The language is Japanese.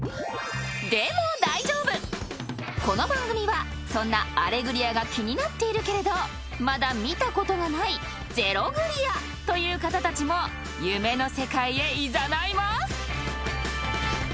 ［この番組はそんな『アレグリア』が気になっているけれどまだ見たことがないゼログリアという方たちも夢の世界へいざないます］